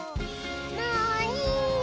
もういいよ。